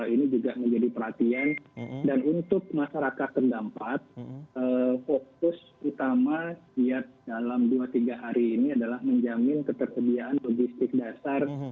ini juga menjadi perhatian dan untuk masyarakat terdampak fokus utama dalam dua tiga hari ini adalah menjamin ketersediaan logistik dasar